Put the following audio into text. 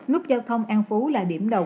nút giao thông an phú là điểm đầu